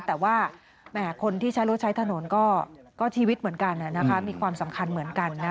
แต่ว่าคนที่ใช้รถใช้ถนนก็ชีวิตเหมือนกันมีความสำคัญเหมือนกันนะ